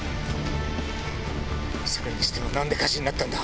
それにしても何で火事になったんだ？